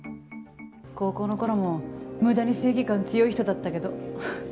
高校の頃も無駄に正義感強かった人だったけど。